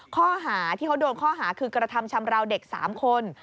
ข้อหาที่เขาโดนข้อหาคือกระทำชำราวเด็ก๓คน